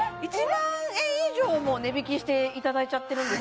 １万円以上も値引きしていただいちゃってるんですか？